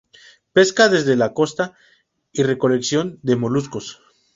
Pesca desde la costa y recolección de moluscos.